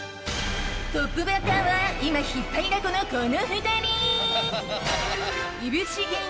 トップバッターは今引っ張りだこのこの２人！